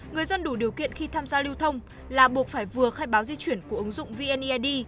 người dân đủ điều kiện khi tham gia lưu thông là buộc phải vừa khai báo di chuyển của ứng dụng vneid